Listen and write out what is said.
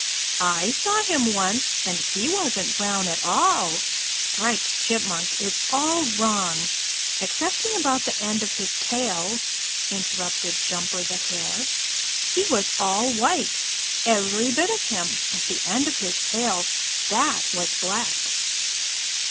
"I saw him once, and he wasn't brown at all. Striped Chipmunk is all wrong, excepting about the end of his tail," interrupted Jumper the Hare. "He was all white, every bit of him but the end of his tail, that was black."